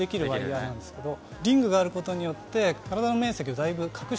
リングがあることによって体の面積を。